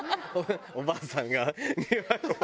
おばあさんが庭の。